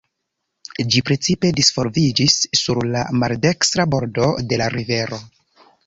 Ĝi precipe disvolviĝis sur la maldekstra bordo de la rivero.